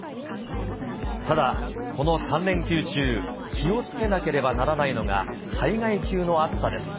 ただ、この３連休中、気をつけなければならないのが災害級の暑さです。